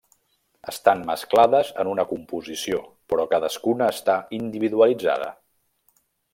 Estan mesclades en una composició però cadascuna està individualitzada.